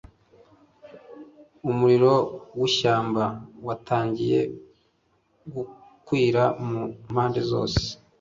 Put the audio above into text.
umuriro w'ishyamba watangiye gukwira mu mpande zose